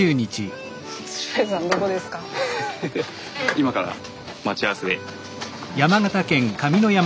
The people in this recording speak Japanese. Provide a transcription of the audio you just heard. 今から待ち合わせで。